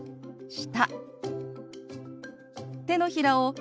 「下」。